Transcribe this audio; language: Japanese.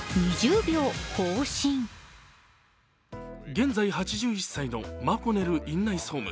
現在８１歳のマコネル院内総務。